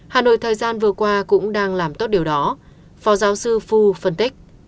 hà nội thời gian vừa qua cũng đang làm tốt điều đó phó giáo sư phu phân tích